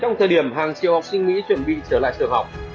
trong thời điểm hàng triệu học sinh mỹ chuẩn bị trở lại trường học